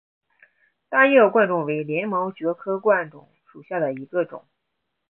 单叶贯众为鳞毛蕨科贯众属下的一个种。